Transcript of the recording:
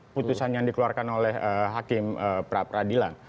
putusan yang dikeluarkan oleh hakim prapradilan